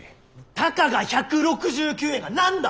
たかが１６９円が何だ！